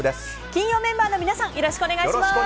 金曜メンバーの皆さんよろしくお願いします。